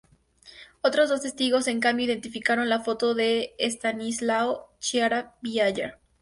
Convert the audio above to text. Otros dos testigos, en cambio, identificaron la foto de Estanislao Chiara Vieyra.